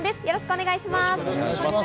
よろしくお願いします。